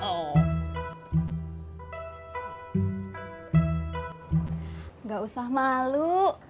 enggak usah malu